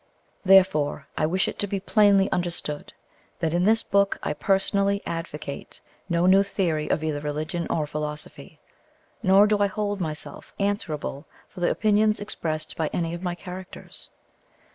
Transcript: Therefore I wish it to be plainly understood that in this book I personally advocate no new theory of either religion or philosophy; nor do I hold myself answerable for the opinions expressed by any of my characters.